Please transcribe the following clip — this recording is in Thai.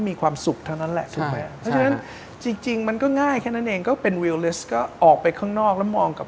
มีความสุข๑๓๐๐จริงก็ง่ายแค่นั้นเองต่อออกไปค่อนหน้า๐๙